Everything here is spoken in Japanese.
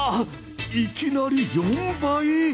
いきなり４倍？